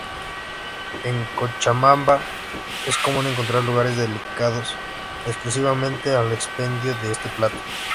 En Cochabamba es común encontrar lugares dedicados exclusivamente al expendio de este plato.